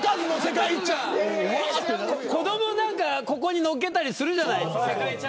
子ども肩に乗っけたりするじゃない。